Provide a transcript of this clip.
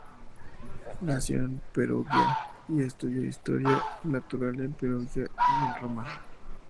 Nació en Perugia y estudió historia natural en Perugia y en Roma.